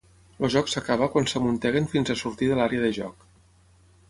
El joc s'acaba quan s'amunteguen fins a sortir de l'àrea de joc.